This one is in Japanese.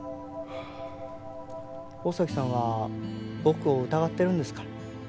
大崎さんは僕を疑ってるんですか？